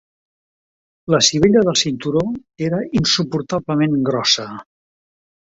La sivella del cinturó era insuportablement grossa.